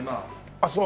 あっそう。